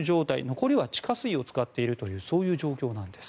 残りは、地下水を使っているという状況なんです。